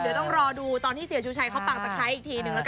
เดี๋ยวต้องรอดูตอนที่เสียชูชัยเขาปากตะไครอีกทีหนึ่ง